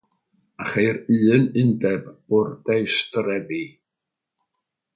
A cheir un Undeb Bwrdeistrefi.